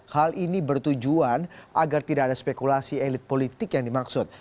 hal ini bertujuan agar tidak ada spekulasi elit politik yang dimaksud